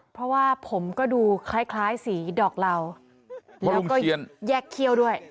เพราะว่าผมก็ดูคล้ายสีดอกเหล่าแล้วก็แยกเขี้ยวด้วย